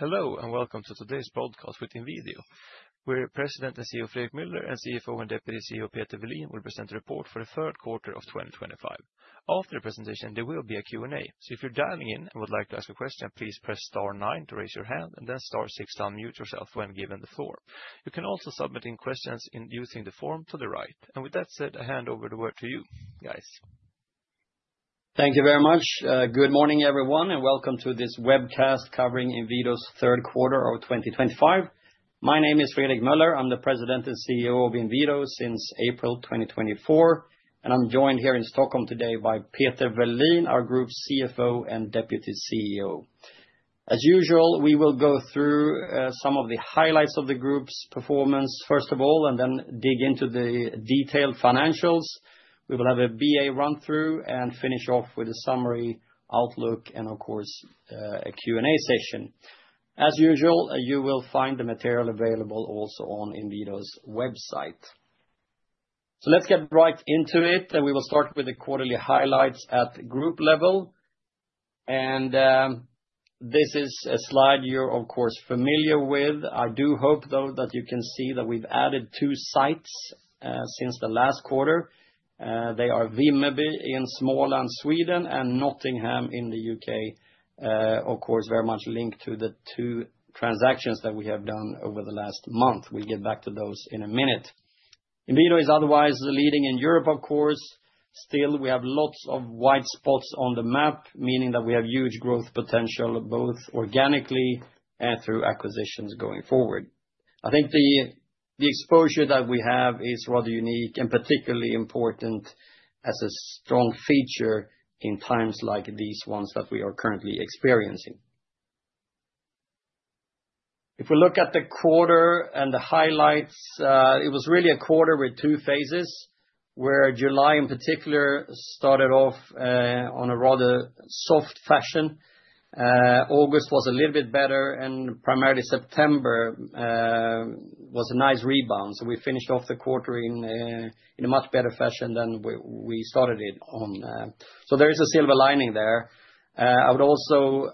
Hello and welcome to Today's Broadcast With Inwido. We're President and CEO Fredrik Meuller and CFO and Deputy CEO Peter Welin, who will present a report for the third quarter of 2025. After the presentation, there will be a Q&A, so if you're dialing in and would like to ask a question, please press star 9 to raise your hand, and then star 6 to unmute yourself when given the floor. You can also submit questions using the form to the right. And with that said, I hand over the word to you guys. Thank you very much. Good morning, everyone, and welcome to this webcast covering Inwido's third quarter of 2025. My name is Fredrik Meuller. I'm the President and CEO of Inwido since April 2024, and I'm joined here in Stockholm today by Peter Welin, our Group CFO and Deputy CEO. As usual, we will go through some of the highlights of the group's performance, first of all, and then dig into the detailed financials. We will have a BA run-through and finish off with a summary outlook and, of course, a Q&A session. As usual, you will find the material available also on Inwido's website. So let's get right into it, and we will start with the quarterly highlights at group level. And this is a slide you're, of course, familiar with. I do hope, though, that you can see that we've added two sites since the last quarter. They are Vimmerby in Småland, Sweden, and Nottingham in the U.K., of course, very much linked to the two transactions that we have done over the last month. We'll get back to those in a minute. Inwido is otherwise leading in Europe, of course. Still, we have lots of white spots on the map, meaning that we have huge growth potential, both organically and through acquisitions going forward. I think the exposure that we have is rather unique and particularly important as a strong feature in times like these ones that we are currently experiencing. If we look at the quarter and the highlights, it was really a quarter with two phases, where July in particular started off on a rather soft fashion. August was a little bit better, and primarily September was a nice rebound. So we finished off the quarter in a much better fashion than we started it on. So there is a silver lining there. I would also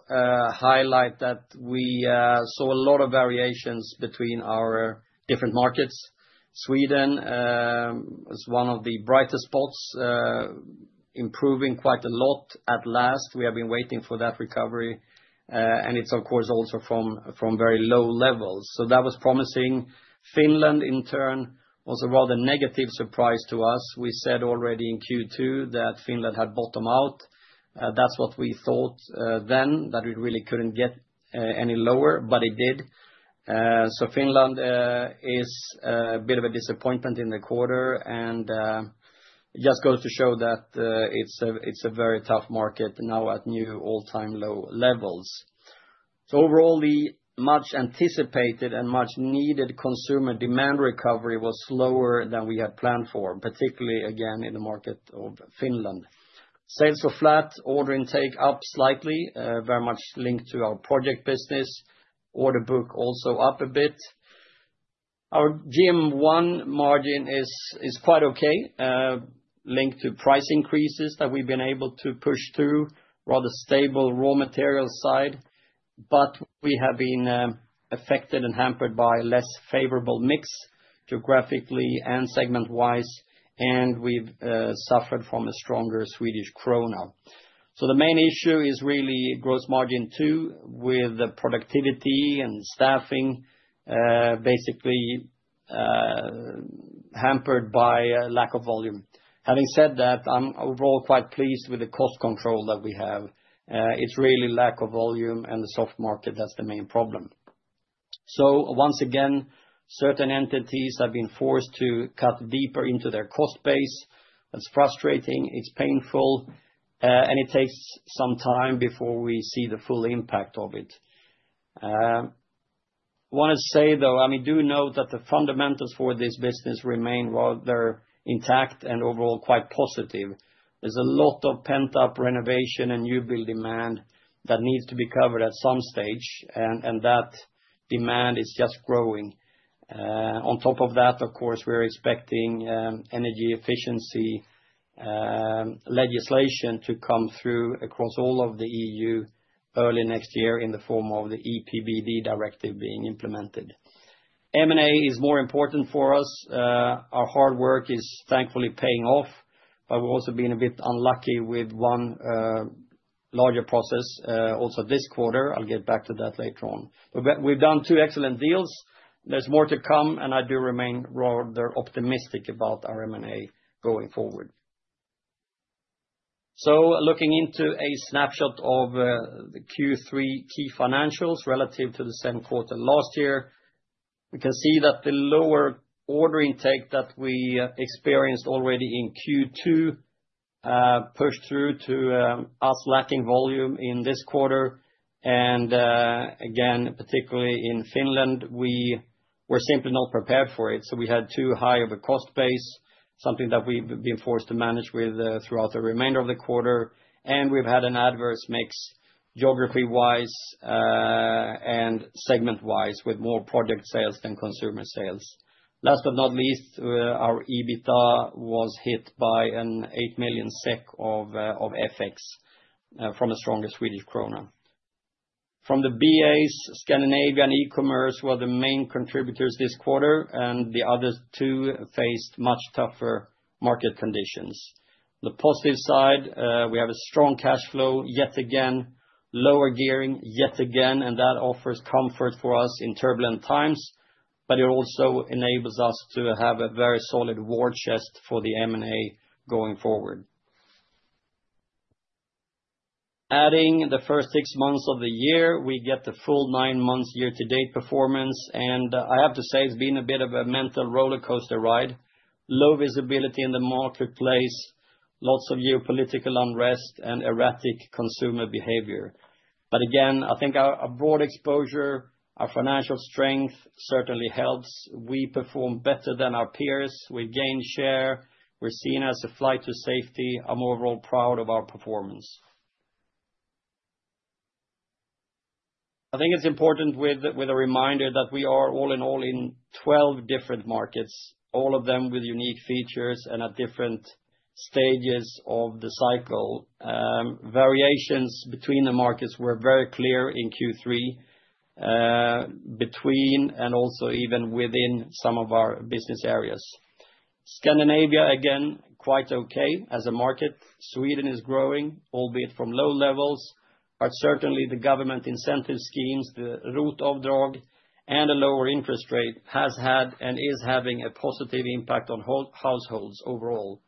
highlight that we saw a lot of variations between our different markets. Sweden was one of the brightest spots, improving quite a lot at last. We have been waiting for that recovery, and it's, of course, also from very low levels. So that was promising. Finland, in turn, was a rather negative surprise to us. We said already in Q2 that Finland had bottomed out. That's what we thought then, that we really couldn't get any lower, but it did. So Finland is a bit of a disappointment in the quarter, and it just goes to show that it's a very tough market now at new all-time low levels. So overall, the much-anticipated and much-needed consumer demand recovery was slower than we had planned for, particularly, again, in the market of Finland. Sales were flat. Order intake up slightly, very much linked to our project business. Order book also up a bit. Our GM1 margin is quite okay, linked to price increases that we've been able to push through, rather stable raw materials side. But we have been affected and hampered by a less favorable mix geographically and segment-wise, and we've suffered from a stronger Swedish krona. So the main issue is really gross margin too, with productivity and staffing basically hampered by lack of volume. Having said that, I'm overall quite pleased with the cost control that we have. It's really lack of volume and the soft market that's the main problem. So once again, certain entities have been forced to cut deeper into their cost base. That's frustrating. It's painful, and it takes some time before we see the full impact of it. I want to say, though, I mean, do note that the fundamentals for this business remain rather intact and overall quite positive. There's a lot of pent-up renovation and new build demand that needs to be covered at some stage, and that demand is just growing. On top of that, of course, we're expecting energy efficiency legislation to come through across all of the E.U. early next year in the form of the EPBD directive being implemented. M&A is more important for us. Our hard work is thankfully paying off, but we've also been a bit unlucky with one larger process also this quarter. I'll get back to that later on. We've done two excellent deals. There's more to come, and I do remain rather optimistic about our M&A going forward. So looking into a snapshot of the Q3 key financials relative to the same quarter last year, we can see that the lower order intake that we experienced already in Q2 pushed through to us lacking volume in this quarter, and again, particularly in Finland, we were simply not prepared for it, so we had too high of a cost base, something that we've been forced to manage with throughout the remainder of the quarter, and we've had an adverse mix geography-wise and segment-wise with more project sales than consumer sales. Last but not least, our EBITDA was hit by an 8 million SEK of FX from a stronger Swedish krona. From the BAs, Scandinavian e-commerce were the main contributors this quarter, and the other two faced much tougher market conditions. On the positive side, we have a strong cash flow yet again, lower gearing yet again, and that offers comfort for us in turbulent times, but it also enables us to have a very solid war chest for the M&A going forward. Adding the first six months of the year, we get the full nine months year-to-date performance. And I have to say it's been a bit of a mental roller coaster ride: low visibility in the marketplace, lots of geopolitical unrest, and erratic consumer behavior. But again, I think our broad exposure, our financial strength certainly helps. We perform better than our peers. We've gained share. We're seen as a flight to safety. I'm overall proud of our performance. I think it's important with a reminder that we are all in all in 12 different markets, all of them with unique features and at different stages of the cycle. Variations between the markets were very clear in Q3 and also even within some of our business areas. Scandinavia, again, quite okay as a market. Sweden is growing, albeit from low levels, but certainly the government incentive schemes, the ROT-avdrag, and a lower interest rate have had and are having a positive impact on households overall.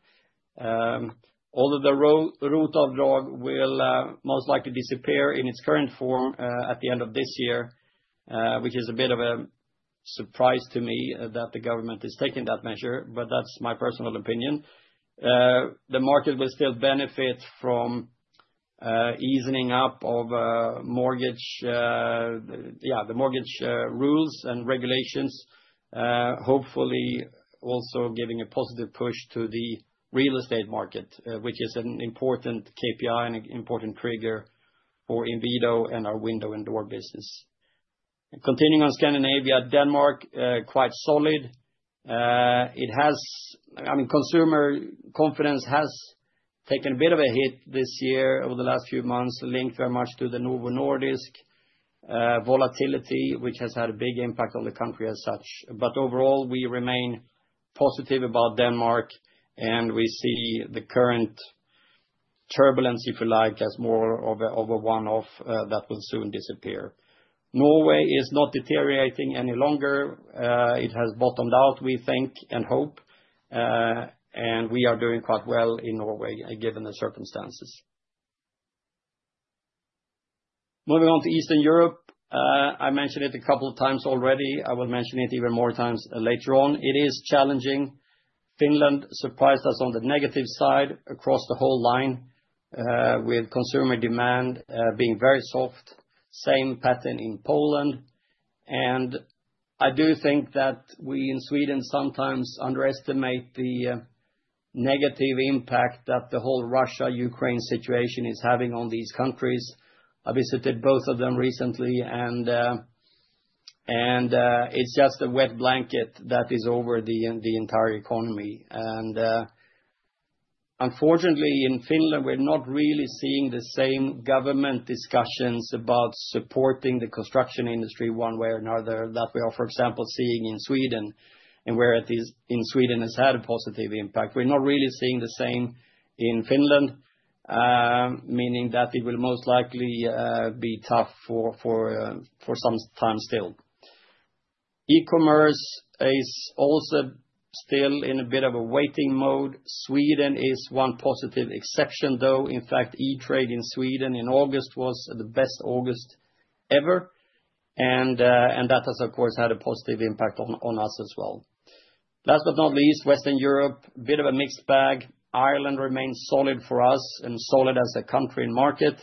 Although the ROT-avdrag will most likely disappear in its current form at the end of this year, which is a bit of a surprise to me that the government is taking that measure, but that's my personal opinion. The market will still benefit from easing up of mortgage, yeah, the mortgage rules and regulations, hopefully also giving a positive push to the real estate market, which is an important KPI and an important trigger for Inwido and our window and door business. Continuing on Scandinavia, Denmark, quite solid. It has, I mean, consumer confidence has taken a bit of a hit this year over the last few months, linked very much to the Novo Nordisk volatility, which has had a big impact on the country as such. But overall, we remain positive about Denmark, and we see the current turbulence, if you like, as more of a one-off that will soon disappear. Norway is not deteriorating any longer. It has bottomed out, we think, and hope, and we are doing quite well in Norway given the circumstances. Moving on to Eastern Europe, I mentioned it a couple of times already. I will mention it even more times later on. It is challenging. Finland surprised us on the negative side across the whole line, with consumer demand being very soft, same pattern in Poland. I do think that we in Sweden sometimes underestimate the negative impact that the whole Russia-Ukraine situation is having on these countries. I visited both of them recently, and it's just a wet blanket that is over the entire economy. Unfortunately, in Finland, we're not really seeing the same government discussions about supporting the construction industry one way or another that we are, for example, seeing in Sweden, and where it is in Sweden has had a positive impact. We're not really seeing the same in Finland, meaning that it will most likely be tough for some time still. E-commerce is also still in a bit of a waiting mode. Sweden is one positive exception, though. In fact, e-commerce in Sweden in August was the best August ever, and that has, of course, had a positive impact on us as well. Last but not least, Western Europe, a bit of a mixed bag. Ireland remains solid for us and solid as a country and market.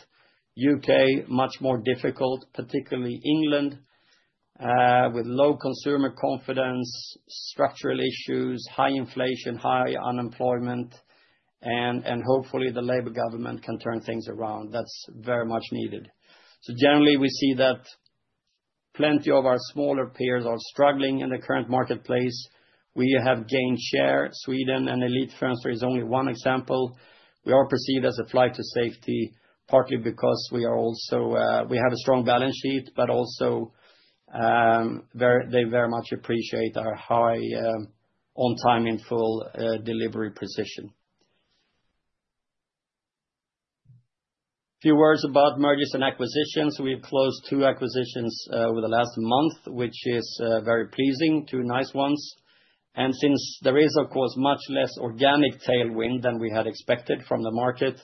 U.K., much more difficult, particularly England, with low consumer confidence, structural issues, high inflation, high unemployment, and hopefully the Labour Government can turn things around. That's very much needed. So generally, we see that plenty of our smaller peers are struggling in the current marketplace. We have gained share. Sweden and Elite Firms is only one example. We are perceived as a flight to safety, partly because we also have a strong balance sheet, but also they very much appreciate our high on-time and full delivery precision. A few words about mergers and acquisitions. We've closed two acquisitions over the last month, which is very pleasing, two nice ones. Since there is, of course, much less organic tailwind than we had expected from the market,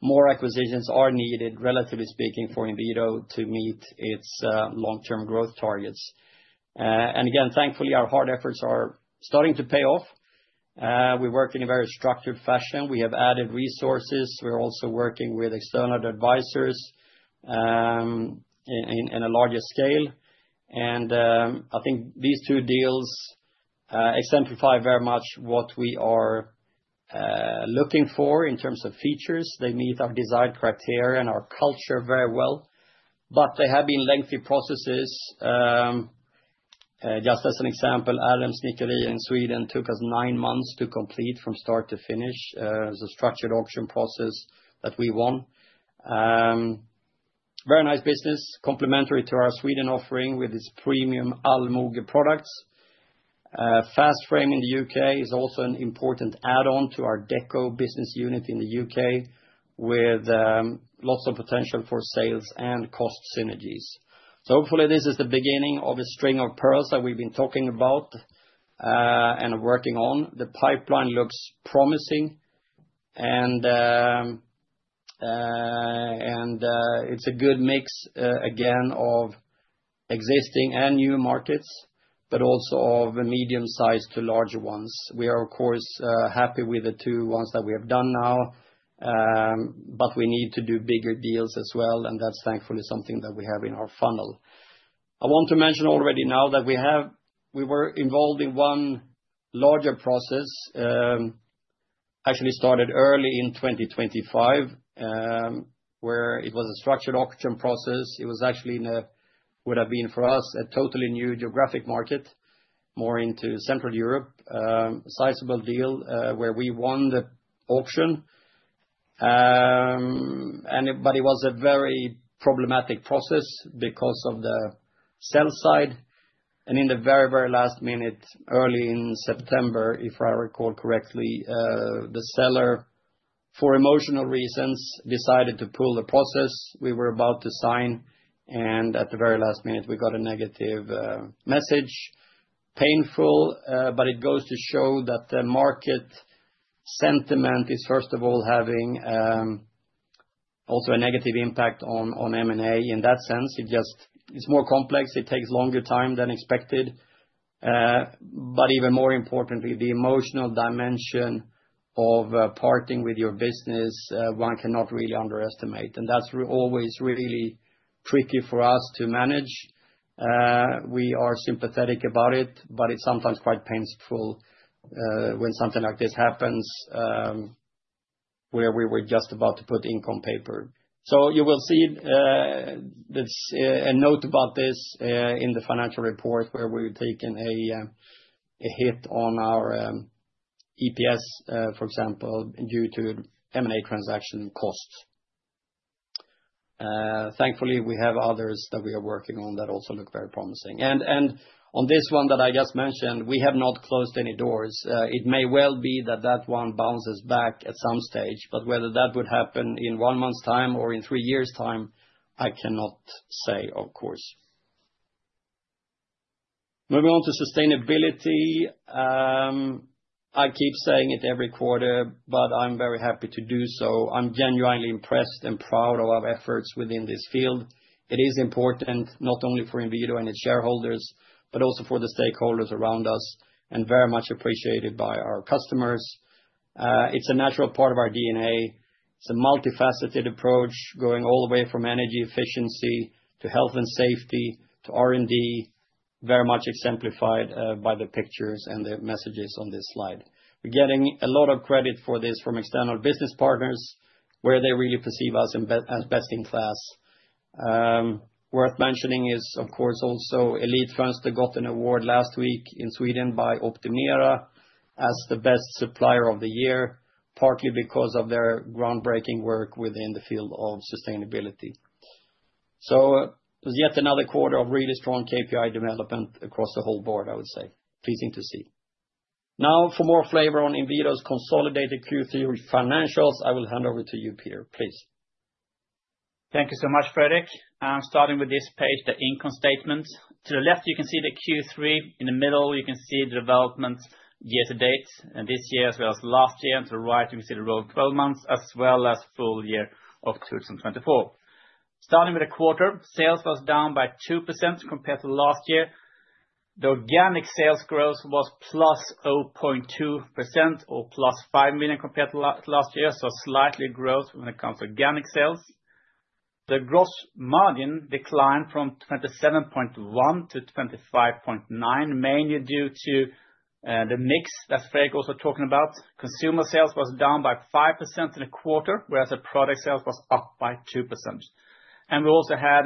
more acquisitions are needed, relatively speaking, for Inwido to meet its long-term growth targets. And again, thankfully, our hard efforts are starting to pay off. We work in a very structured fashion. We have added resources. We're also working with external advisors on a larger scale. And I think these two deals exemplify very much what we are looking for in terms of features. They meet our design criteria and our culture very well. But they have been lengthy processes. Just as an example, Adams Snickerier in Sweden took us nine months to complete from start to finish. It was a structured auction process that we won. Very nice business, complementary to our Sweden offering with its premium Almoge products. FastFrame in the UK is also an important add-on to our Dekko business unit in the U.K., with lots of potential for sales and cost synergies. Hopefully, this is the beginning of a string of pearls that we've been talking about and working on. The pipeline looks promising, and it's a good mix, again, of existing and new markets, but also of medium-sized to larger ones. We are, of course, happy with the two ones that we have done now, but we need to do bigger deals as well, and that's thankfully something that we have in our funnel. I want to mention already now that we were involved in one larger process, actually started early in 2025, where it was a structured auction process. It was actually in a, would have been for us, a totally new geographic market, more into Central Europe, a sizable deal where we won the auction. But it was a very problematic process because of the sell side. And in the very, very last minute, early in September, if I recall correctly, the seller, for emotional reasons, decided to pull the process. We were about to sign, and at the very last minute, we got a negative message. Painful, but it goes to show that the market sentiment is, first of all, having also a negative impact on M&A in that sense. It's more complex. It takes longer time than expected. But even more importantly, the emotional dimension of parting with your business, one cannot really underestimate. And that's always really tricky for us to manage. We are sympathetic about it, but it's sometimes quite painful when something like this happens, where we were just about to put ink on paper. So you will see a note about this in the financial report where we're taking a hit on our EPS, for example, due to M&A transaction costs. Thankfully, we have others that we are working on that also look very promising. And on this one that I just mentioned, we have not closed any doors. It may well be that that one bounces back at some stage, but whether that would happen in one month's time or in three years' time, I cannot say, of course. Moving on to sustainability. I keep saying it every quarter, but I'm very happy to do so. I'm genuinely impressed and proud of our efforts within this field. It is important not only for Inwido and its shareholders, but also for the stakeholders around us and very much appreciated by our customers. It's a natural part of our DNA. It's a multifaceted approach going all the way from energy efficiency to health and safety to R&D, very much exemplified by the pictures and the messages on this slide. We're getting a lot of credit for this from external business partners, where they really perceive us as best in class. Worth mentioning is, of course, also Elitfönster that got an award last week in Sweden by Optimera as the best supplier of the year, partly because of their groundbreaking work within the field of sustainability. So it was yet another quarter of really strong KPI development across the whole board, I would say. Pleasing to see. Now, for more flavor on Inwido's consolidated Q3 financials, I will hand over to you, Peter. Please. Thank you so much, Fredrik. Starting with this page, the income statement. To the left, you can see the Q3. In the middle, you can see the development year-to-date this year, as well as last year. And to the right, you can see the rolling 12 months, as well as full year of 2024. Starting with the quarter, sales was down by 2% compared to last year. The organic sales growth was +0.2% or +5 million compared to last year, so slightly growth when it comes to organic sales. The gross margin declined from 27.1% - 25.9%, mainly due to the mix that Fredrik was talking about. Consumer sales was down by 5% in a quarter, whereas product sales was up by 2%. We also had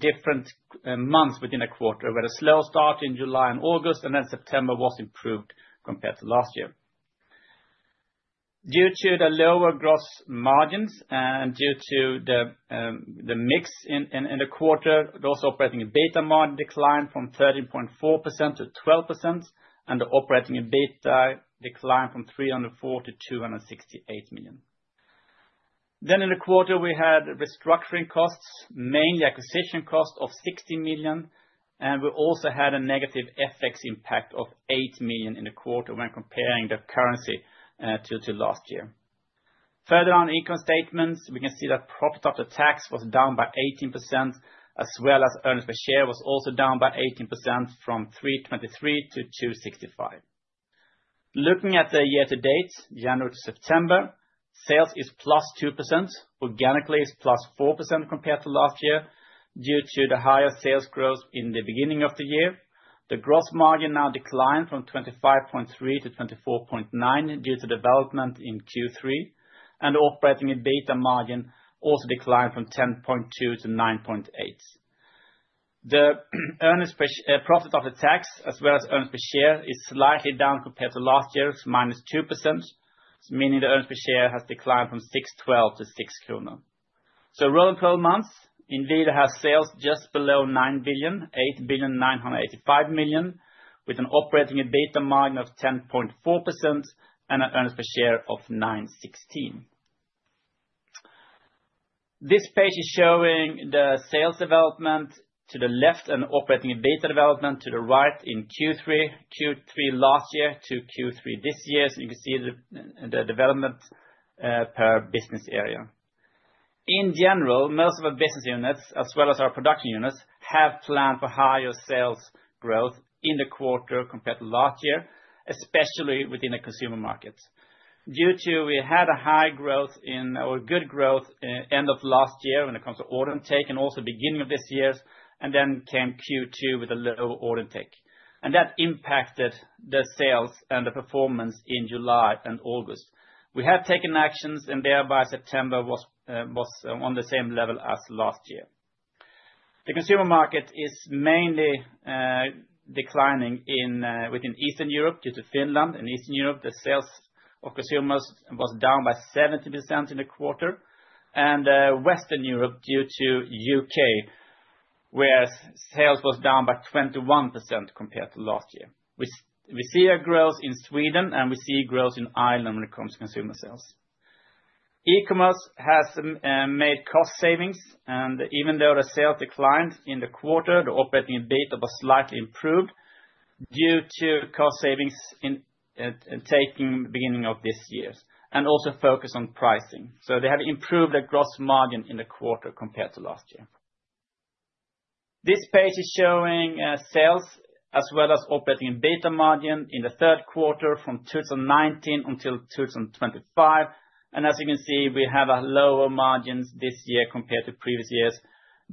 different months within a quarter, where the slow start in July and August and then September was improved compared to last year. Due to the lower gross margins and due to the mix in the quarter, those operating EBITA margin declined from 13.4% - 12%, and the operating EBITA declined from 304 million to 268 million. In the quarter, we had restructuring costs, mainly acquisition costs of 60 million, and we also had a negative FX impact of 8 million in the quarter when comparing the currency to last year. Further on income statements, we can see that profit after tax was down by 18%, as well as earnings per share was also down by 18% from 323 - 265. Looking at the year-to-date, January to September, sales is plus 2%. Organically is plus 4% compared to last year due to the higher sales growth in the beginning of the year. The gross margin now declined from 25.3% to 24.9% due to development in Q3, and the operating EBITA margin also declined from 10.2% to 9.8%. The profit after tax, as well as earnings per share, is slightly down compared to last year, minus 2%, meaning the earnings per share has declined from 6.12 - 6 kronor. Rolling 12 months, Inwido has sales just below 9 billion, 8 billion 985 million, with an operating EBITA margin of 10.4% and an earnings per share of SEK 9.16. This page is showing the sales development to the left and operating EBITA development to the right in Q3, Q3 last year to Q3 this year. You can see the development per business area. In general, most of our business units, as well as our production units, have planned for higher sales growth in the quarter compared to last year, especially within the consumer markets. Due to, we had a high growth in or good growth end of last year when it comes to order intake and also beginning of this year, and then came Q2 with a low order intake, and that impacted the sales and the performance in July and August. We had taken actions, and thereby September was on the same level as last year. The consumer market is mainly declining within Eastern Europe due to Finland. In Eastern Europe, the sales of consumers was down by 70% in the quarter, and Western Europe due to U.K., where sales was down by 21% compared to last year. We see a growth in Sweden, and we see growth in Ireland when it comes to consumer sales. E-commerce has made cost savings, and even though the sales declined in the quarter, the operating EBITA was slightly improved due to cost savings taking the beginning of this year and also focus on pricing. So they have improved their gross margin in the quarter compared to last year. This page is showing sales, as well as operating EBITA margin in the third quarter from 2019 until 2025. And as you can see, we have lower margins this year compared to previous years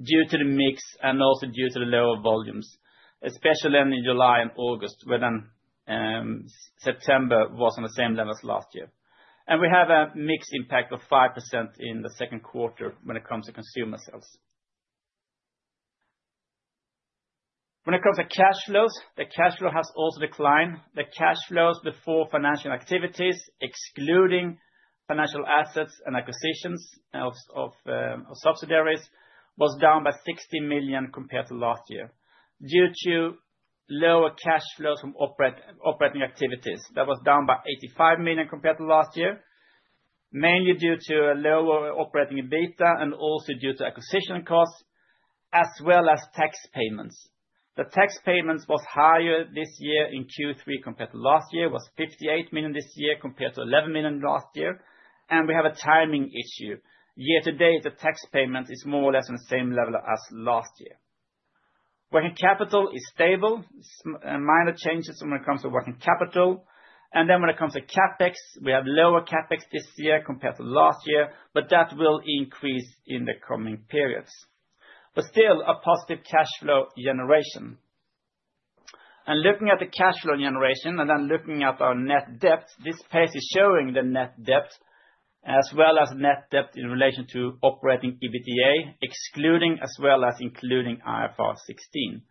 due to the mix and also due to the lower volumes, especially in July and August, where then September was on the same level as last year. And we have a mixed impact of 5% in the second quarter when it comes to consumer sales. When it comes to cash flows, the cash flow has also declined. The cash flows before financial activities, excluding financial assets and acquisitions of subsidiaries, was down by 60 million compared to last year due to lower cash flows from operating activities. That was down by 85 million compared to last year, mainly due to lower Operating EBITA and also due to acquisition costs, as well as tax payments. The tax payments was higher this year in Q3 compared to last year, was 58 million this year compared to 11 million last year. And we have a timing issue. Year-to-date, the tax payment is more or less on the same level as last year. Working capital is stable. Minor changes when it comes to working capital. And then when it comes to CapEx, we have lower CapEx this year compared to last year, but that will increase in the coming periods, but still a positive cash flow generation, and looking at the cash flow generation and then looking at our net debt, this page is showing the net debt, as well as net debt in relation to operating EBITDA, excluding as well as including IFRS 16,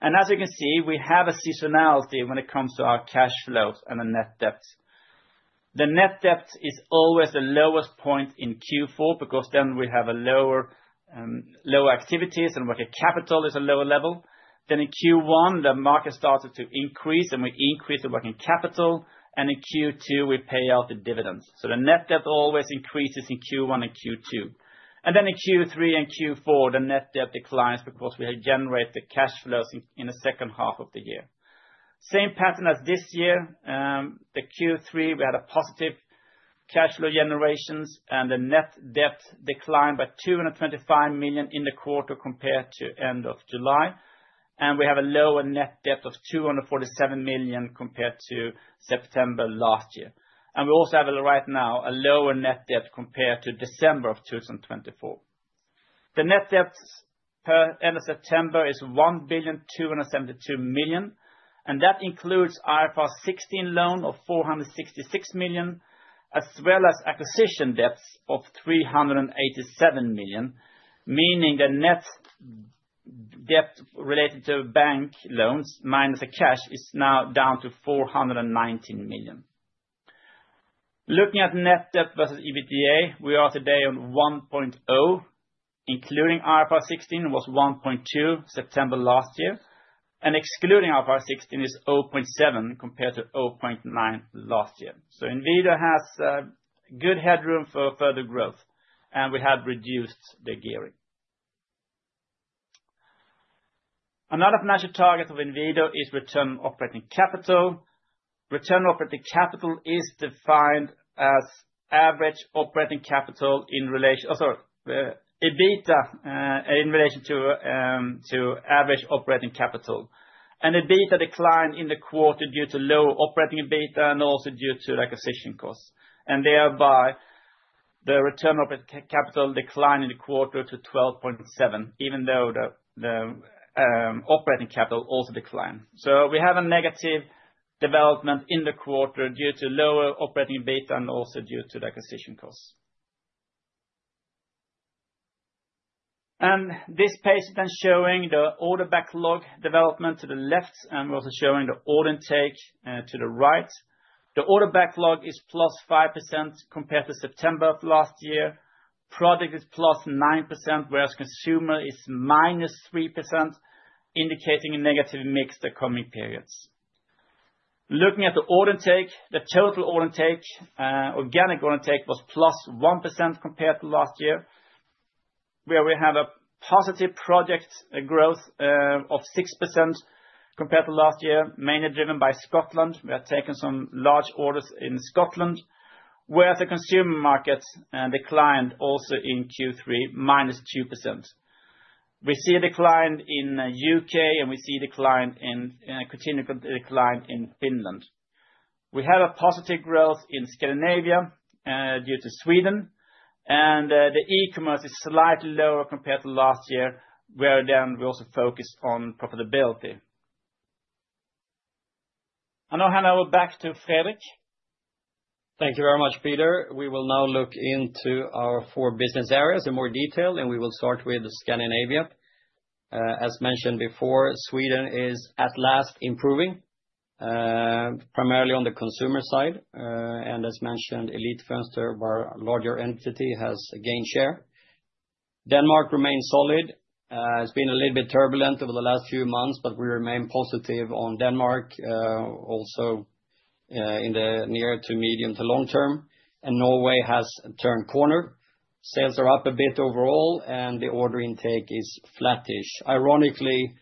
and as you can see, we have a seasonality when it comes to our cash flows and the net debt. The net debt is always the lowest point in Q4 because then we have lower activities, and working capital is a lower level, then in Q1, the market started to increase, and we increased the working capital, and in Q2, we pay out the dividends, so the net debt always increases in Q1 and Q2. And then in Q3 and Q4, the net debt declines because we had generated cash flows in the second half of the year. Same pattern as this year. The Q3, we had a positive cash flow generations, and the net debt declined by 225 million in the quarter compared to end of July. And we have a lower net debt of 247 million compared to September last year. And we also have right now a lower net debt compared to December of 2024. The net debt per end of September is 1 billion, 272 million. And that includes IFRS 16 loan of 466 million, as well as acquisition debts of 387 million, meaning the net debt related to bank loans minus the cash is now down to 419 million. Looking at net debt versus EBITDA, we are today on 1.0, including IFRS 16 was 1.2 September last year. And excluding IFRS 16 is 0.7 compared to 0.9 last year. So Inwido has good headroom for further growth, and we had reduced the gearing. Another financial target of Inwido is return on operating capital. Return on operating capital is defined as average operating capital in relation, sorry, EBITDA in relation to average operating capital. And EBITDA declined in the quarter due to low operating EBITA and also due to acquisition costs. And thereby, the return on operating capital declined in the quarter to 12.7, even though the operating capital also declined. So we have a negative development in the quarter due to lower operating EBITA and also due to the acquisition costs. And this page is then showing the order backlog development to the left, and we're also showing the order intake to the right. The order backlog is plus 5% compared to September of last year. Product is plus 9%, whereas consumer is minus 3%, indicating a negative mix the coming periods. Looking at the order intake, the total order intake, organic order intake was plus 1% compared to last year, where we have a positive project growth of 6% compared to last year, mainly driven by Scotland. We have taken some large orders in Scotland, whereas the consumer market declined also in Q3, minus 2%. We see a decline in the U.K., and we see a decline in a continued decline in Finland. We have a positive growth in Scandinavia due to Sweden, and the e-commerce is slightly lower compared to last year, where then we also focused on profitability. And now, Heno, back to Fredrik. Thank you very much, Peter. We will now look into our four business areas in more detail, and we will start with Scandinavia. As mentioned before, Sweden is at last improving, primarily on the consumer side, and as mentioned, Elite Firms, their larger entity, has gained share. Denmark remains solid. It's been a little bit turbulent over the last few months, but we remain positive on Denmark also in the near to medium to long term, and Norway has turned corner. Sales are up a bit overall, and the order intake is flattish. Ironically,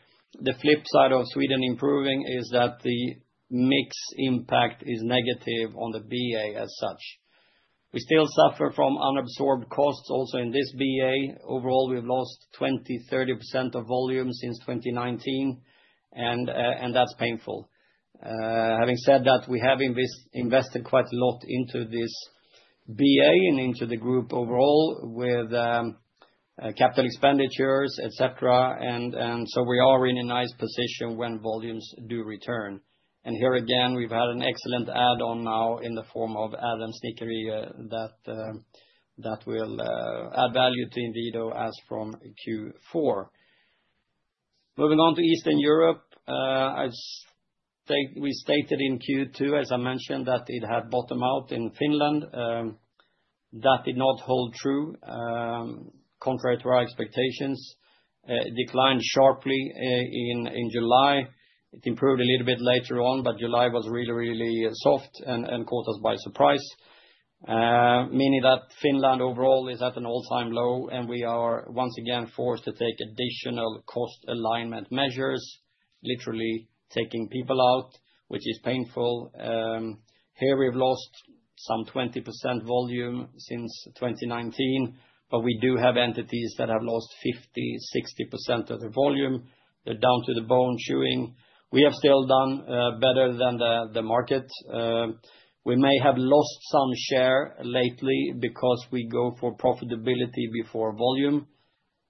the flip side of Sweden improving is that the mixed impact is negative on the BA as such. We still suffer from unabsorbed costs also in this BA. Overall, we've lost 20%-30% of volume since 2019, and that's painful. Having said that, we have invested quite a lot into this BA and into the group overall with capital expenditures, etc., and so we are in a nice position when volumes do return. And here again, we've had an excellent add-on now in the form of Adams Snickerier that will add value to Inwido as from Q4. Moving on to Eastern Europe, we stated in Q2, as I mentioned, that it had bottom out in Finland. That did not hold true, contrary to our expectations. It declined sharply in July. It improved a little bit later on, but July was really, really soft and caught us by surprise, meaning that Finland overall is at an all-time low, and we are once again forced to take additional cost alignment measures, literally taking people out, which is painful. Here we've lost some 20% volume since 2019, but we do have entities that have lost 50%-60% of their volume. They're down to the bone chewing. We have still done better than the market. We may have lost some share lately because we go for profitability before volume.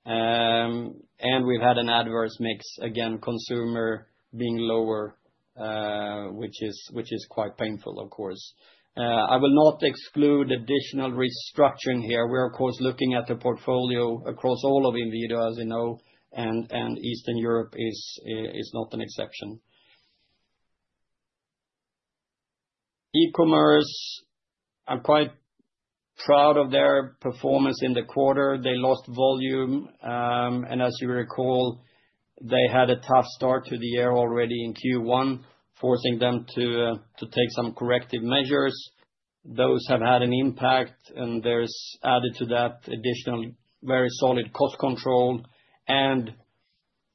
And we've had an adverse mix, again, consumer being lower, which is quite painful, of course. I will not exclude additional restructuring here. We are, of course, looking at the portfolio across all of Inwido as we know, and Eastern Europe is not an exception. E-commerce, I'm quite proud of their performance in the quarter. They lost volume. And as you recall, they had a tough start to the year already in Q1, forcing them to take some corrective measures. Those have had an impact, and there's added to that additional very solid cost control and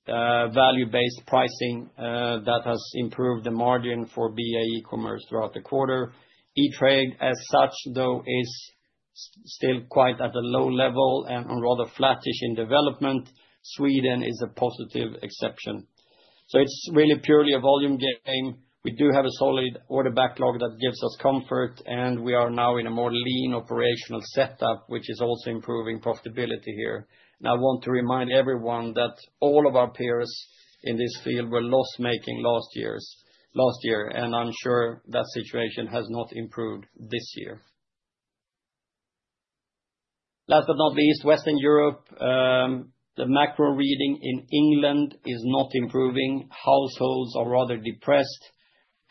value-based pricing that has improved the margin for BA e-commerce throughout the quarter. E-Trade, as such, though, is still quite at a low level and rather flattish in development. Sweden is a positive exception. So it's really purely a volume game. We do have a solid order backlog that gives us comfort, and we are now in a more lean operational setup, which is also improving profitability here. And I want to remind everyone that all of our peers in this field were loss-making last year, and I'm sure that situation has not improved this year. Last but not least, Western Europe, the macro reading in England is not improving. Households are rather depressed,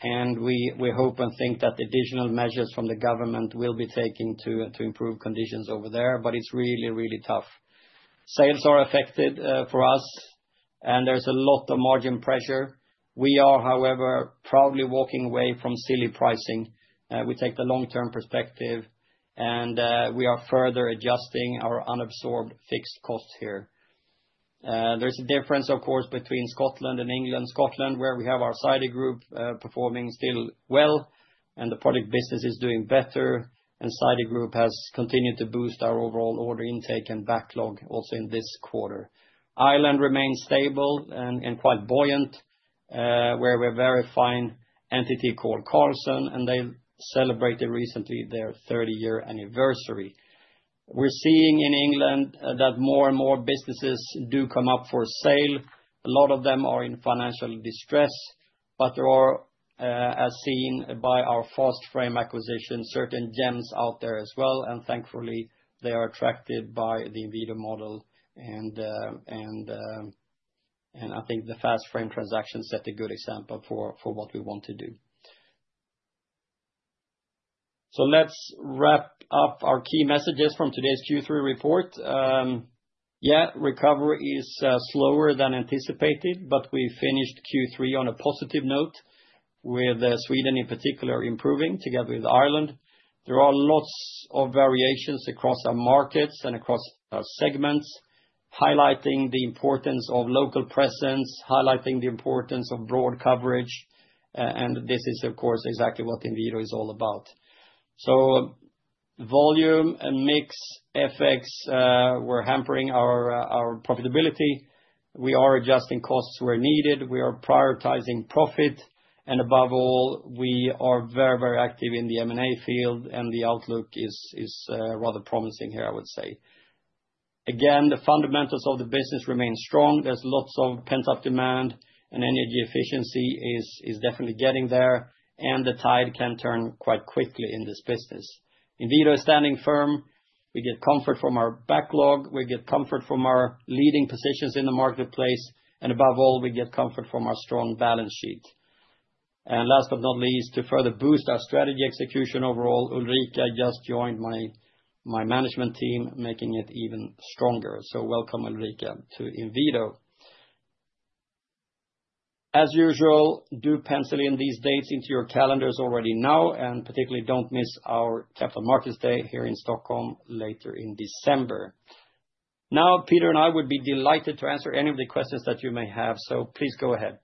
and we hope and think that additional measures from the government will be taken to improve conditions over there, but it's really, really tough. Sales are affected for us, and there's a lot of margin pressure. We are, however, probably walking away from silly pricing. We take the long-term perspective, and we are further adjusting our unabsorbed fixed costs here. There's a difference, of course, between Scotland and England. Scotland, where we have our Sidey Group performing still well, and the product business is doing better, and Sidey Group has continued to boost our overall order intake and backlog also in this quarter. Ireland remains stable and quite buoyant, where we have a very fine entity called Carlson, and they celebrated recently their 30-year anniversary. We're seeing in England that more and more businesses do come up for sale. A lot of them are in financial distress, but there are, as seen by our FastFrame acquisition, certain gems out there as well. And thankfully, they are attracted by the Inwido model. And I think the FastFrame transaction set a good example for what we want to do. So let's wrap up our key messages from today's Q3 report. Yeah, recovery is slower than anticipated, but we finished Q3 on a positive note, with Sweden in particular improving together with Ireland. There are lots of variations across our markets and across our segments, highlighting the importance of local presence, highlighting the importance of broad coverage. And this is, of course, exactly what Inwido is all about. So volume and mix FX were hampering our profitability. We are adjusting costs where needed. We are prioritizing profit. And above all, we are very, very active in the M&A field, and the outlook is rather promising here, I would say. Again, the fundamentals of the business remain strong. There's lots of pent-up demand, and energy efficiency is definitely getting there. And the tide can turn quite quickly in this business. Inwido is standing firm. We get comfort from our backlog. We get comfort from our leading positions in the marketplace. And above all, we get comfort from our strong balance sheet. And last but not least, to further boost our strategy execution overall, Ulrika just joined my management team, making it even stronger. So welcome, Ulrika, to Inwido. As usual, do pencil in these dates into your calendars already now, and particularly don't miss our Capital Markets Day here in Stockholm later in December. Now, Peter and I would be delighted to answer any of the questions that you may have, so please go ahead.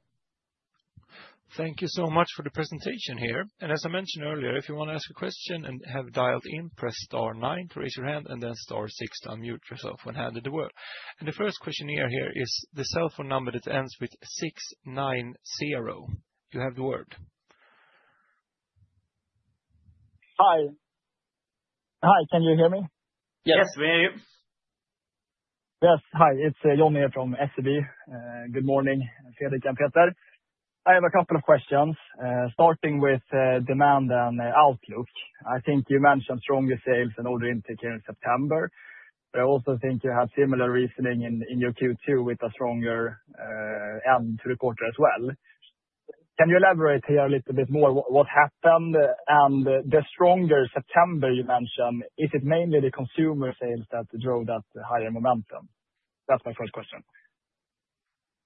Thank you so much for the presentation here. And as I mentioned earlier, if you want to ask a question and have dialed in, press star nine to raise your hand, and then star six to unmute yourself and have the word. And the first questioner here is the cell phone number that ends with 690. You have the word. Hi. Hi, can you hear me? Yes, we hear you. Yes, hi. It's Johan from SEB. Good morning, Fredrik and Peter. I have a couple of questions, starting with demand and outlook. I think you mentioned stronger sales and order intake here in September. But I also think you had similar reasoning in your Q2 with a stronger end to the quarter as well. Can you elaborate here a little bit more what happened? And the stronger September you mentioned, is it mainly the consumer sales that drove that higher momentum? That's my first question.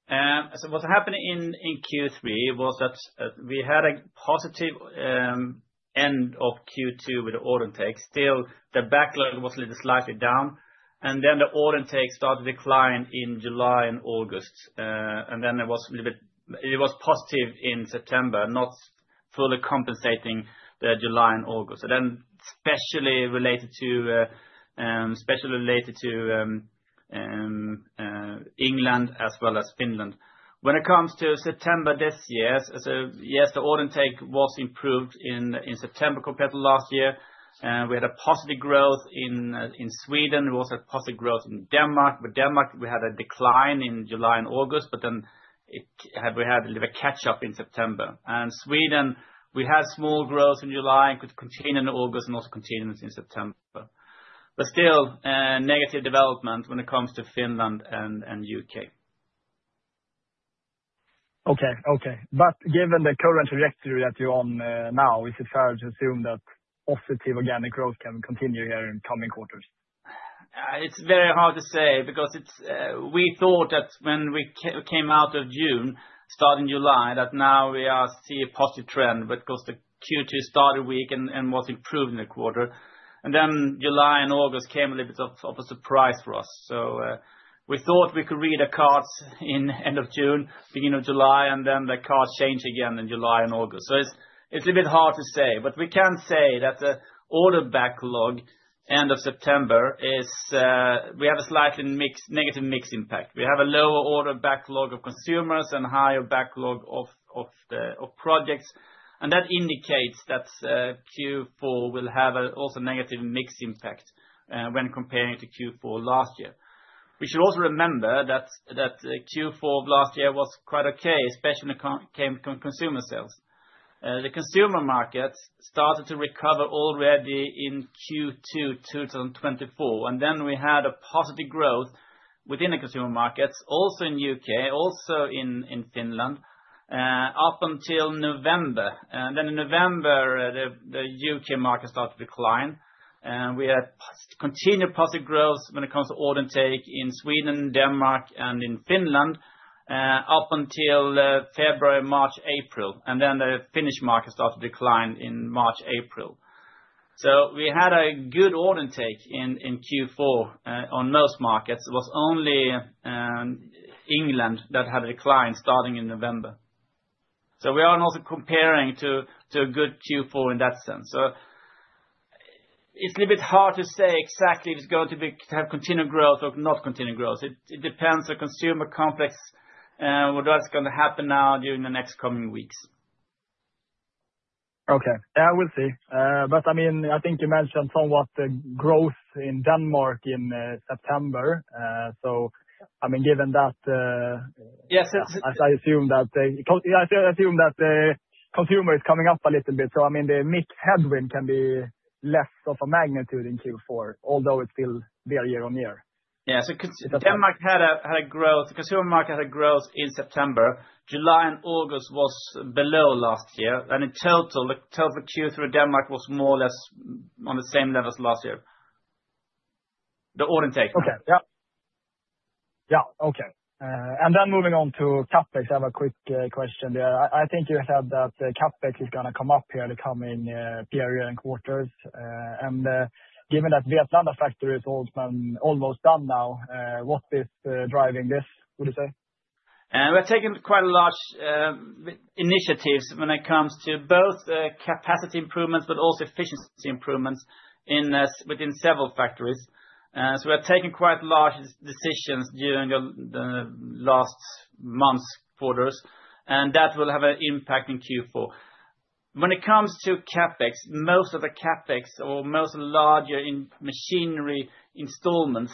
So what happened in Q3 was that we had a positive end of Q2 with the order intake. Still, the backlog was a little slightly down. And then the order intake started to decline in July and August. And then it was a little bit positive in September, not fully compensating the July and August. And then especially related to England as well as Finland. When it comes to September this year, so yes, the order intake was improved in September compared to last year. We had a positive growth in Sweden. We also had positive growth in Denmark. With Denmark, we had a decline in July and August, but then we had a little bit of catch-up in September. And Sweden, we had small growth in July and could continue in August and also continue in September. But still, negative development when it comes to Finland and the U.K. Okay, okay. But given the current trajectory that you're on now, is it fair to assume that positive organic growth can continue here in coming quarters? It's very hard to say because we thought that when we came out of June, starting July, that now we see a positive trend because the Q2 started weak and was improved in the quarter, and then July and August came a little bit of a surprise for us, so we thought we could read the cards in the end of June, beginning of July, and then the cards changed again in July and August, so it's a little bit hard to say, but we can say that the order backlog end of September is we have a slightly negative mix impact. We have a lower order backlog of consumers and a higher backlog of projects, and that indicates that Q4 will have also a negative mix impact when comparing to Q4 last year. We should also remember that Q4 of last year was quite okay, especially when it came to consumer sales. The consumer market started to recover already in Q2 2024, and then we had a positive growth within the consumer markets, also in the U.K., also in Finland, up until November, and then in November, the UK market started to decline, and we had continued positive growth when it comes to order intake in Sweden, Denmark, and in Finland up until February, March, April, and then the Finnish market started to decline in March, April, so we had a good order intake in Q4 on most markets. It was only England that had a decline starting in November, so we are also comparing to a good Q4 in that sense, so it's a little bit hard to say exactly if it's going to have continued growth or not continued growth. It depends on consumer climate and what's going to happen now during the next coming weeks. Okay, I will see. But I mean, I think you mentioned somewhat the growth in Denmark in September. So I mean, given that. Yes, it's. I assume that the consumer is coming up a little bit. So I mean, the macro headwind can be less of a magnitude in Q4, although it's still there year on year. Yeah, so Denmark had a growth. The consumer market had a growth in September. July and August was below last year. And in total, the total Q3 Denmark was more or less on the same level as last year. The order intake. Okay, yeah. Yeah, okay. And then moving on to CapEx, I have a quick question there. I think you said that CapEx is going to come up here in the coming period and quarters. And given that Vietnam, the factory is almost done now, what is driving this, would you say? We're taking quite large initiatives when it comes to both capacity improvements, but also efficiency improvements within several factories. So we're taking quite large decisions during the last months, quarters, and that will have an impact in Q4. When it comes to CapEx, most of the CapEx or most of the larger machinery installations,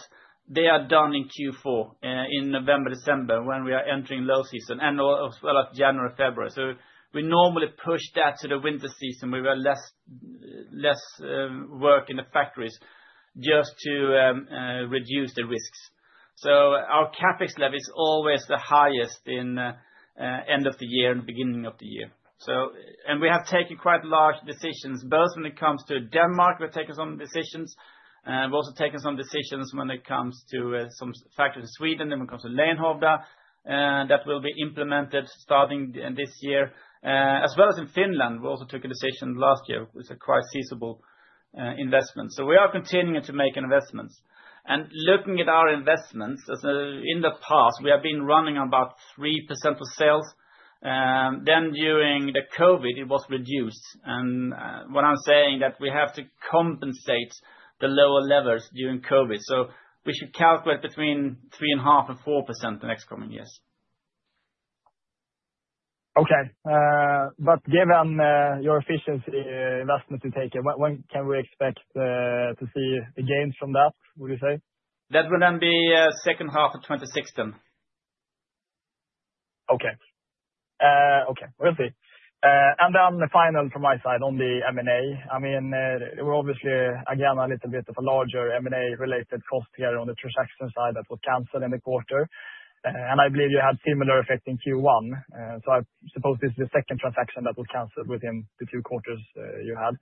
they are done in Q4 in November, December when we are entering low season and as well as January and February. So we normally push that to the winter season. There was less work in the factories just to reduce the risks. So our CapEx level is always the highest in the end of the year and beginning of the year. And we have taken quite large decisions, both when it comes to Denmark, we're taking some decisions. We've also taken some decisions when it comes to some factories in Sweden when it comes to Lenhovda that will be implemented starting this year. As well as in Finland, we also took a decision last year, which is a quite feasible investment, so we are continuing to make investments, and looking at our investments, in the past, we have been running on about 3% of sales, then during the COVID, it was reduced, and what I'm saying is that we have to compensate the lower levels during COVID, so we should calculate between 3.5% and 4% in the next coming years. Okay, but given your efficiency investment to take it, when can we expect to see the gains from that, would you say? That will then be second half of 2016. Okay. Okay, we'll see, and then the final from my side on the M&A. I mean, we're obviously, again, a little bit of a larger M&A-related cost here on the transaction side that was canceled in the quarter, and I believe you had similar effect in Q1, so I suppose this is the second transaction that was canceled within the two quarters you had.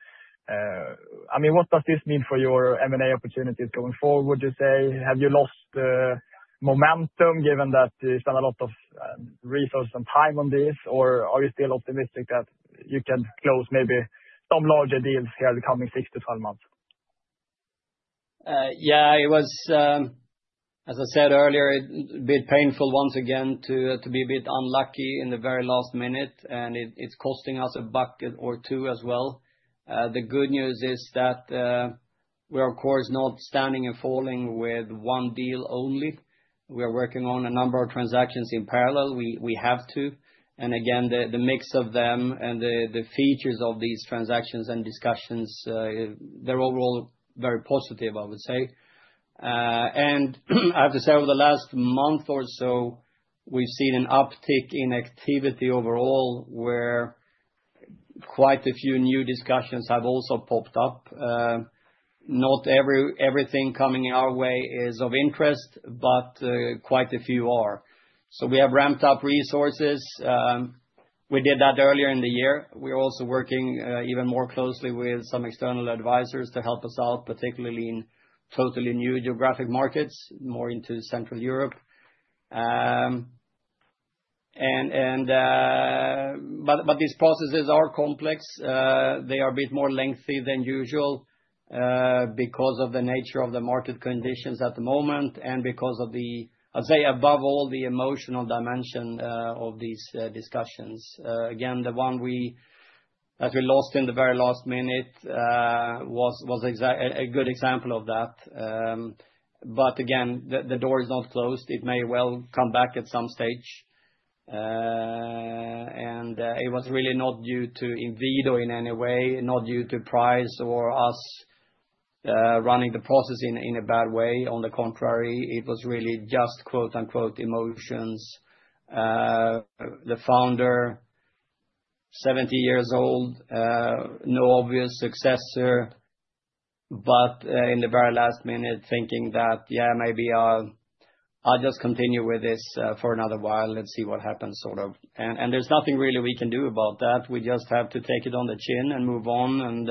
I mean, what does this mean for your M&A opportunities going forward, would you say? Have you lost momentum given that you spent a lot of resources and time on this, or are you still optimistic that you can close maybe some larger deals here in the coming six to twelve months? Yeah, it was, as I said earlier, a bit painful once again to be a bit unlucky in the very last minute, and it's costing us a bucket or two as well. The good news is that we are, of course, not standing and falling with one deal only. We are working on a number of transactions in parallel. We have to. And again, the mix of them and the features of these transactions and discussions, they're overall very positive, I would say. And I have to say, over the last month or so, we've seen an uptick in activity overall, where quite a few new discussions have also popped up. Not everything coming our way is of interest, but quite a few are. So we have ramped up resources. We did that earlier in the year. We're also working even more closely with some external advisors to help us out, particularly in totally new geographic markets, more into Central Europe. But these processes are complex. They are a bit more lengthy than usual because of the nature of the market conditions at the moment and because of the, I'd say, above all, the emotional dimension of these discussions. Again, the one that we lost in the very last minute was a good example of that. But again, the door is not closed. It may well come back at some stage. And it was really not due to Inwido in any way, not due to price or us running the process in a bad way. On the contrary, it was really just "emotions." The founder, 70 years old, no obvious successor, but in the very last minute, thinking that, yeah, maybe I'll just continue with this for another while and see what happens, sort of. And there's nothing really we can do about that. We just have to take it on the chin and move on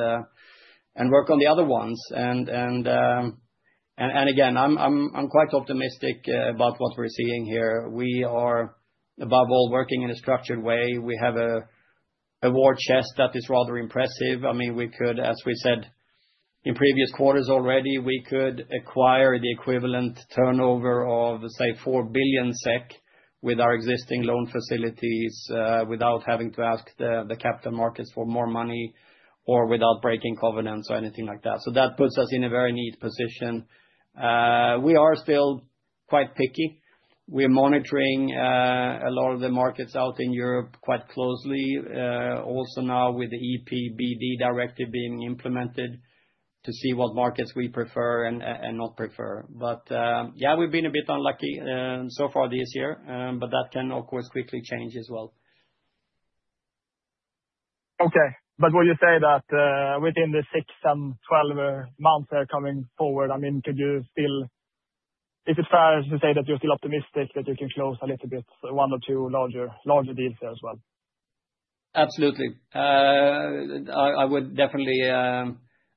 and work on the other ones. And again, I'm quite optimistic about what we're seeing here. We are, above all, working in a structured way. We have a war chest that is rather impressive. I mean, we could, as we said in previous quarters already, we could acquire the equivalent turnover of, say, four billion SEK with our existing loan facilities without having to ask the capital markets for more money or without breaking covenants or anything like that. So that puts us in a very neat position. We are still quite picky. We're monitoring a lot of the markets out in Europe quite closely, also now with the EPBD directive being implemented to see what markets we prefer and not prefer. But yeah, we've been a bit unlucky so far this year, but that can, of course, quickly change as well. Okay, but would you say that within the six and 12 months here coming forward, I mean, could you still, is it fair to say that you're still optimistic that you can close a little bit, one or two larger deals here as well? Absolutely. I would definitely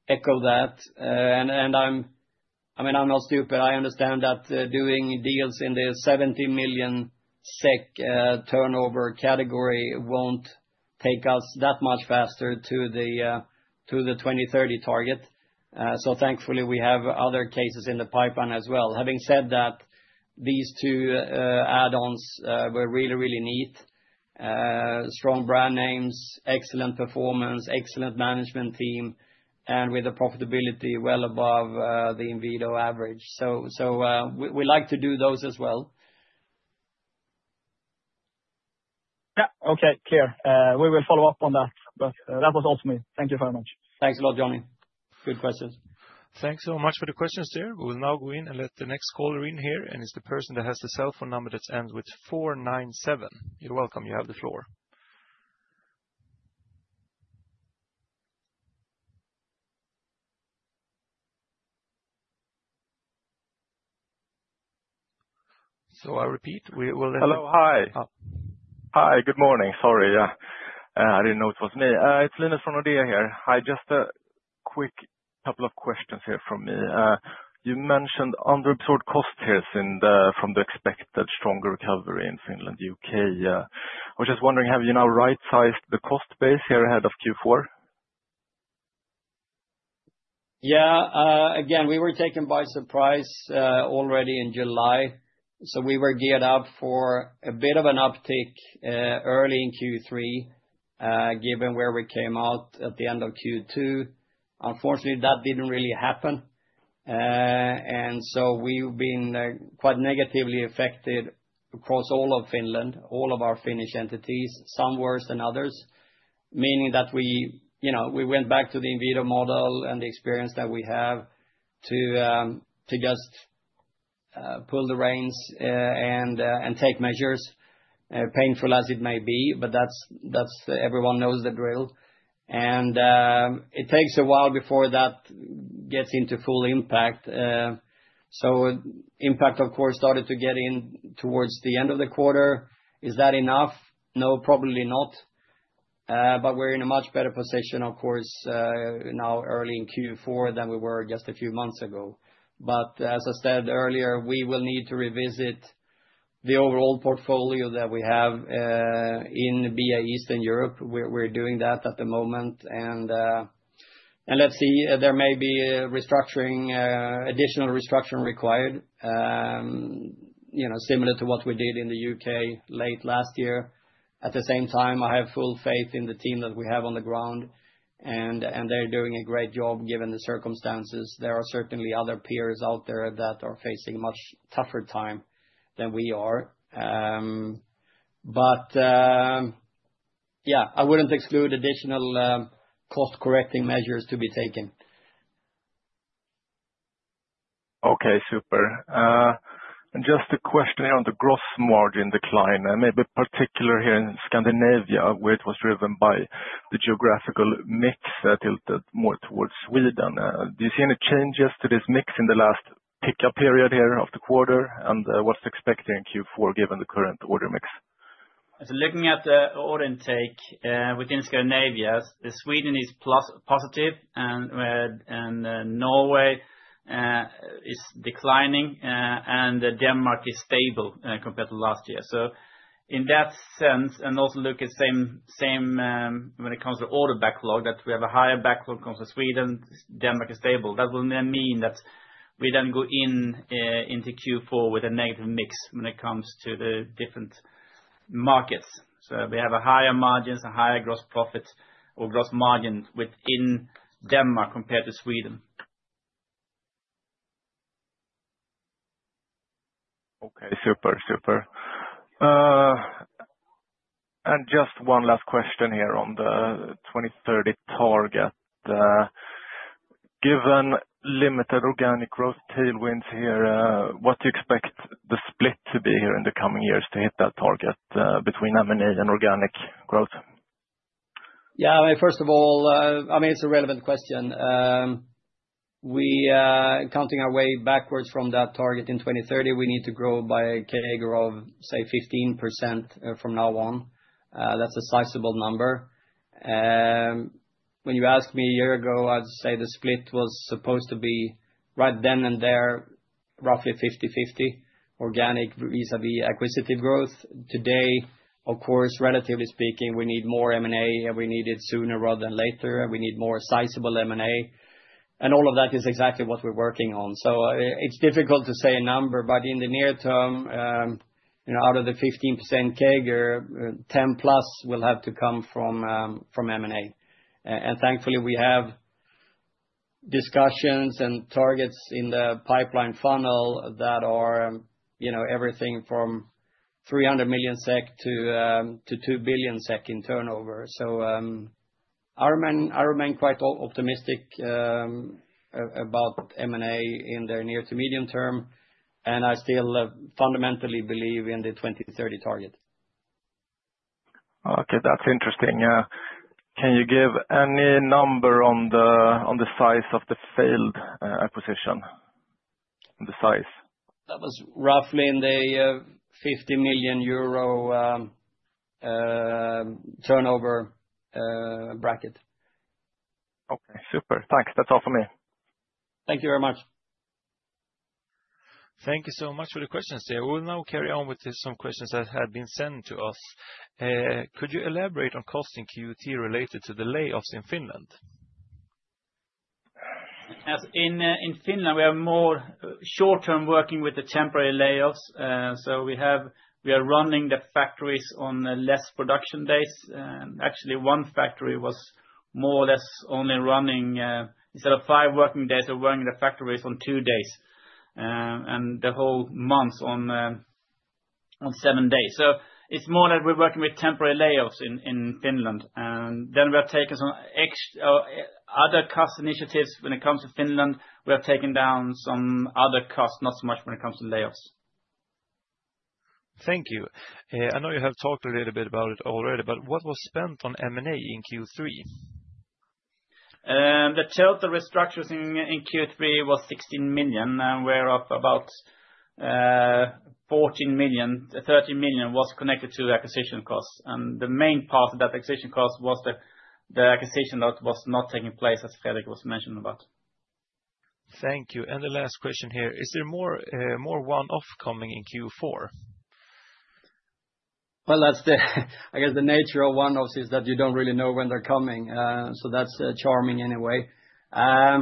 echo that. And I mean, I'm not stupid. I understand that doing deals in the 70 million SEK turnover category won't take us that much faster to the 2030 target. So thankfully, we have other cases in the pipeline as well. Having said that, these two add-ons were really, really neat. Strong brand names, excellent performance, excellent management team, and with a profitability well above the Inwido average. So we like to do those as well. Yeah, okay, clear. We will follow up on that. But that was all for me. Thank you very much. Thanks a lot, Jhonny. Good questions. Thanks so much for the questions, dear. We will now go in and let the next caller in here. And it's the person that has the cell phone number that ends with 497. You're welcome. You have the floor. Hello, hi. Hi, good morning. Sorry, yeah. I didn't know it was me. It's Linus from Nordea here. Hi, just a quick couple of questions here from me. You mentioned underabsorbed cost here from the expected stronger recovery in Finland, U.K. I was just wondering, have you now right-sized the cost base here ahead of Q4? Yeah, again, we were taken by surprise already in July. So we were geared up for a bit of an uptick early in Q3, given where we came out at the end of Q2. Unfortunately, that didn't really happen. And so we've been quite negatively affected across all of Finland, all of our Finnish entities, some worse than others, meaning that we went back to the Inwido model and the experience that we have to just pull the reins and take measures, painful as it may be, but everyone knows the drill. And it takes a while before that gets into full impact. So impact, of course, started to get in towards the end of the quarter. Is that enough? No, probably not. But we're in a much better position, of course, now early in Q4 than we were just a few months ago. But as I said earlier, we will need to revisit the overall portfolio that we have in Eastern Europe. We're doing that at the moment. And let's see, there may be additional restructuring required, similar to what we did in the U.K. late last year. At the same time, I have full faith in the team that we have on the ground, and they're doing a great job given the circumstances. There are certainly other peers out there that are facing a much tougher time than we are. But yeah, I wouldn't exclude additional cost-correcting measures to be taken. Okay, super. And just a question here on the gross margin decline, maybe particular here in Scandinavia, where it was driven by the geographical mix tilted more towards Sweden. Do you see any changes to this mix in the last pickup period here of the quarter? And what's expected in Q4 given the current order mix? So looking at the order intake within Scandinavia, Sweden is positive, and Norway is declining, and Denmark is stable compared to last year. So in that sense, and also look at same when it comes to order backlog, that we have a higher backlog comes to Sweden, Denmark is stable. That will then mean that we then go into Q4 with a negative mix when it comes to the different markets. So we have higher margins and higher gross profit or gross margin within Denmark compared to Sweden. Okay, super, super. And just one last question here on the 2030 target. Given limited organic growth tailwinds here, what do you expect the split to be here in the coming years to hit that target between M&A and organic growth? Yeah, I mean, first of all, I mean, it's a relevant question. Counting our way backwards from that target in 2030, we need to grow by a CAGR of, say, 15% from now on. That's a sizable number. When you asked me a year ago, I'd say the split was supposed to be right then and there, roughly 50/50 organic vis-à-vis acquisitive growth. Today, of course, relatively speaking, we need more M&A, and we need it sooner rather than later. We need more sizable M&A. And all of that is exactly what we're working on. So it's difficult to say a number, but in the near term, out of the 15% CAGR, 10 plus will have to come from M&A. And thankfully, we have discussions and targets in the pipeline funnel that are everything from 300 million SEK to 2 billion SEK in turnover. So I remain quite optimistic about M&A in the near to medium term, and I still fundamentally believe in the 2030 target. Okay, that's interesting. Can you give any number on the size of the failed acquisition, the size? That was roughly in the 50 million euro turnover bracket. Okay, super. Thanks. That's all for me. Thank you very much. Thank you so much for the questions, dear. We will now carry on with some questions that had been sent to us. Could you elaborate on costing Q4 related to the layoffs in Finland? In Finland, we are more short-term working with the temporary layoffs. So we are running the factories on less production days. Actually, one factory was more or less only running instead of five working days. We're running the factories on two days and the whole months on seven days. So it's more that we're working with temporary layoffs in Finland. And then we have taken some other cost initiatives when it comes to Finland. We have taken down some other costs, not so much when it comes to layoffs. Thank you. I know you have talked a little bit about it already, but what was spent on M&A in Q3? The total restructuring in Q3 was 16 million, whereof about 14 million, 13 million was connected to acquisition costs. And the main part of that acquisition cost was the acquisition that was not taking place, as Fredrik was mentioning about. Thank you. And the last question here, is there more one-off coming in Q4? Well, I guess the nature of one-offs is that you don't really know when they're coming. So that's charming anyway. I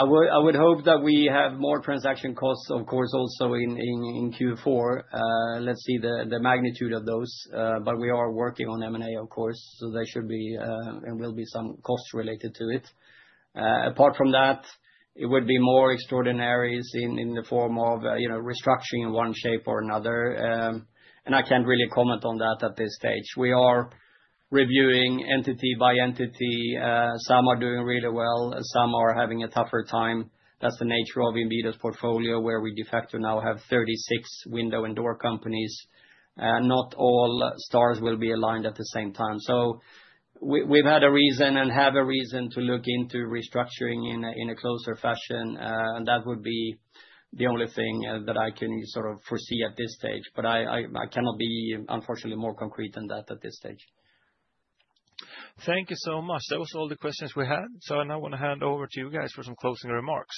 would hope that we have more transaction costs, of course, also in Q4. Let's see the magnitude of those, but we are working on M&A, of course, so there should be and will be some costs related to it. Apart from that, it would be more extraordinary in the form of restructuring in one shape or another, and I can't really comment on that at this stage. We are reviewing entity by entity. Some are doing really well. Some are having a tougher time. That's the nature of Inwido's portfolio, where we de facto now have 36 window and door companies. Not all stars will be aligned at the same time, so we've had a reason and have a reason to look into restructuring in a closer fashion, and that would be the only thing that I can sort of foresee at this stage, but I cannot be, unfortunately, more concrete than that at this stage. Thank you so much. Those are all the questions we had. So I now want to hand over to you guys for some closing remarks.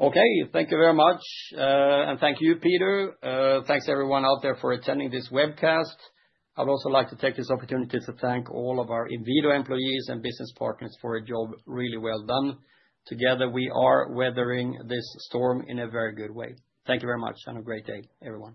Okay, thank you very much. And thank you, Peter. Thanks, everyone out there for attending this webcast. I'd also like to take this opportunity to thank all of our Inwido employees and business partners for a job really well done. Together, we are weathering this storm in a very good way. Thank you very much, and a great day, everyone.